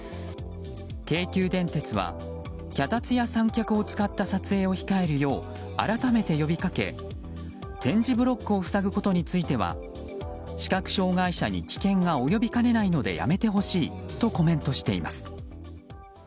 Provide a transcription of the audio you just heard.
京急電鉄は脚立や三脚を使った撮影を控えるよう改めて呼びかけ、点字ブロックを塞ぐことについては視覚障害者に危険が及びかねないのでやめてほしいとコメントしています。